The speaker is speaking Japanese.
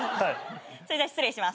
それでは失礼します。